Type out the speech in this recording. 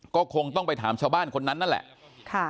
ก็คงต้องไปถามชาวบ้านคนนั้นนั่นแหละ